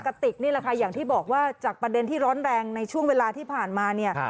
ติกนี่แหละค่ะอย่างที่บอกว่าจากประเด็นที่ร้อนแรงในช่วงเวลาที่ผ่านมาเนี่ย